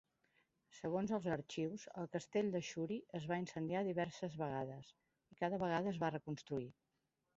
Segons els arxius, el castell de Shuri es va incendiar diverses vegades, i cada vegada es va reconstruir.